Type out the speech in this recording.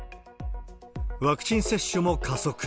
ワクチン接種も加速。